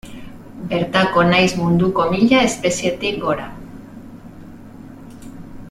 Bertako nahiz munduko mila espezietik gora.